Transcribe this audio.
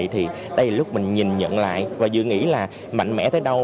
thì đây là lúc mình nhìn nhận lại và dự nghĩ là mạnh mẽ tới đâu